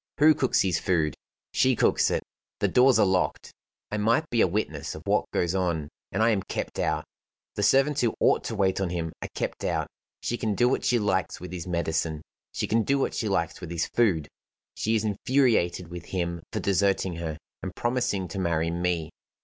Who cooks his food? She cooks it. The doors are locked. I might be a witness of what goes on; and I am kept out. The servants who ought to wait on him are kept out. She can do what she likes with his medicine; she can do what she likes with his food: she is infuriated with him for deserting her, and promising to marry me.